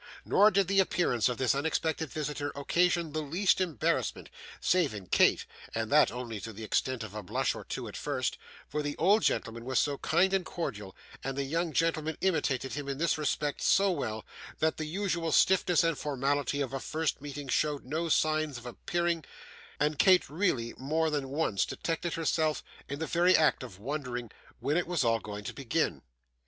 Nor did the appearance of this unexpected visitor occasion the least embarrassment, (save in Kate, and that only to the extent of a blush or two at first,) for the old gentleman was so kind and cordial, and the young gentleman imitated him in this respect so well, that the usual stiffness and formality of a first meeting showed no signs of appearing, and Kate really more than once detected herself in the very act of wondering when it was going to begin.